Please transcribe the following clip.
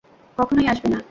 কখনোই আসবে না।